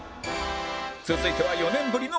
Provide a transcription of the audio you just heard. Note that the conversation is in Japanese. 続いては４年ぶりの開催